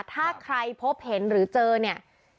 ถ้าใครพบเห็นหรือเจอเนี่ย